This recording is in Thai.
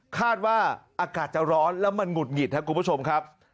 คาดว่าอากาศจะร้อนแล้วมันหุดหงิดครับคุณผู้ชมครับ